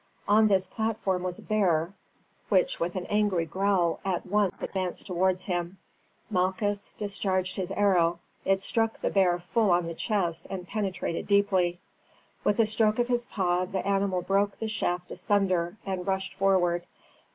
On this platform was a bear, which with an angry growl at once advanced towards him. Malchus discharged his arrow; it struck the bear full on the chest, and penetrated deeply. With a stroke of his paw the animal broke the shaft asunder and rushed forward.